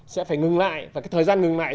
sẽ phải ngừng lại và cái thời gian ngừng lại